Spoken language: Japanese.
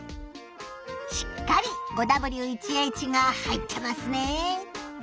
しっかり５Ｗ１Ｈが入ってますね。